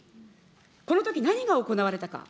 このとき、何が行われたか。